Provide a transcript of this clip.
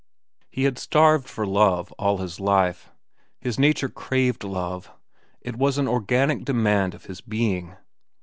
He had starved for love all his life. His nature craved love. It was an organic demand of his being.